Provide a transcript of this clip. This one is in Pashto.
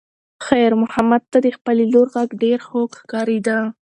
خیر محمد ته د خپلې لور غږ ډېر خوږ ښکارېده.